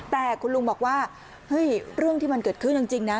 แต่คุณลุงบอกว่าเฮ้ยเรื่องที่มันเกิดขึ้นจริงนะ